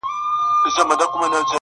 سم به خو دوى راپسي مه ږغوه.